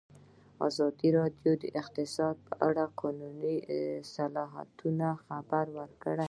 ازادي راډیو د اقتصاد په اړه د قانوني اصلاحاتو خبر ورکړی.